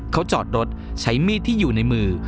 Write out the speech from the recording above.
เขาจอดรถใช้มีดที่อยู่ในมือ